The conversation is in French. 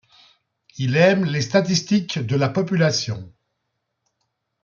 Il aime les statistiques de la population.